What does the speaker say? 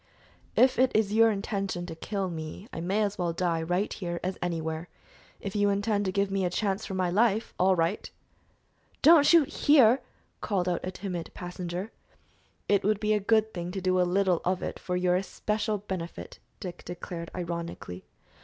"If it is your intention to kill me, I may as well die right here as anywhere; if you intend to give me a chance for my life, all right." "Don't shoot here!" called out a timid passenger. "It would be a good thing to do a little of it for your especial benefit," Dick declared ironically.